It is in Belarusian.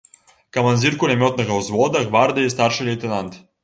Камандзір кулямётнага ўзвода, гвардыі старшы лейтэнант.